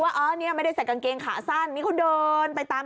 ว่าอ๋อเนี่ยไม่ได้ใส่กางเกงขาสั้นมีคนเดินไปตาม